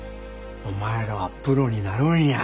お前らはプロになるんや。